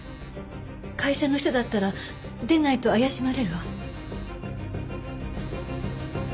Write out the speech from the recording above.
会社の人だったら出ないと怪しまれるわ。